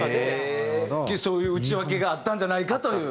そういう内訳があったんじゃないかという。